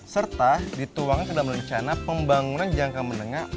serta dituangkan ke dalam rencana pembangunan jangka menengah